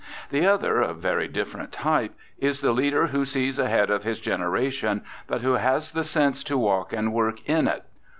The other, a very different type, is the leader who sees ahead of his generation, but who has the sense to walk and work in it.